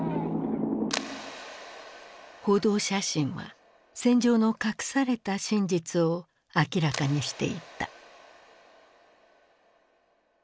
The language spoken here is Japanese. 報道写真は戦場の隠された真実を明らかにしていった。